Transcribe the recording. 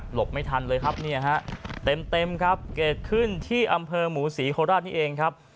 ไม่ทันเลยครับเนี่ยฮะเต็มครับเกิดขึ้นที่อำเภอหมูศรีโคราชนี่เองครับ